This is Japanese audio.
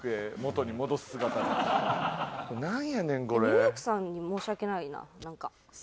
ニューヨークさんに申し訳ないななんか。